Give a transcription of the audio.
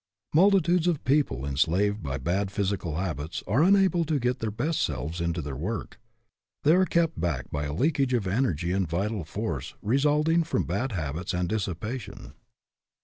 Multitudes of people, enslaved by bad phys ical habits, are unable to get their best selves into their work. They are kept back by a leakage of energy and vital force, resulting from bad habits and dissipation.